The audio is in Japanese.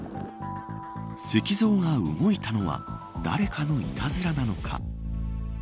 石像が動いたのは誰かのいたずらなのか。